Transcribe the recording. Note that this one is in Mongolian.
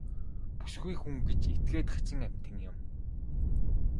Бүсгүй хүн гэж этгээд хачин амьтан юм.